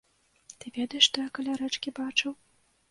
Ты ведаеш, што я каля рэчкі бачыў?